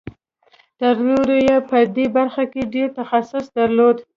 تر نورو یې په دې برخه کې ډېر تخصص درلود